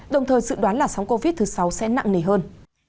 đồng thời dự đoán là sóng covid thứ sáu sẽ nặng nề hơn